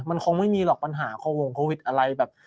มันคงไม่มีหรอกปัญหาโควิดอะไรแบบ